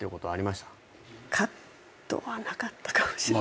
カットはなかったかもしれない。